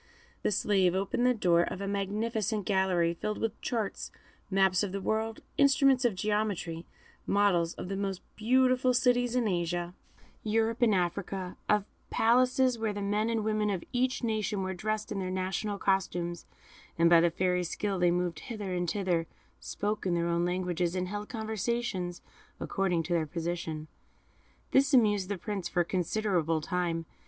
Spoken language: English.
The slave opened the door of a magnificent gallery, filled with charts, maps of the world, instruments of geometry, models of the most beautiful cities in Asia, Europe, and Africa; of palaces where the men and women of each nation were dressed in their national costumes, and by the Fairy's skill they moved hither and thither, spoke in their own language, and held conversations according to their position. This amused the Prince for a considerable time.